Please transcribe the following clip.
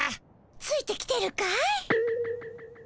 ついてきてるかい？